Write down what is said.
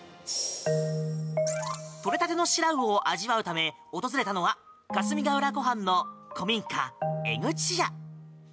取れたてのシラウオを味わうため、訪れたのは霞ヶ浦湖畔の古民家、江口屋。